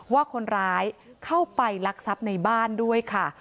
ว่าคนร้ายเข้าไปลักทรัพย์ในบ้านด้วยค่ะ